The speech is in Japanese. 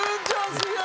すげえ！